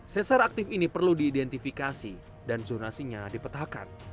sesar aktif ini perlu diidentifikasi dan zonasinya dipetakan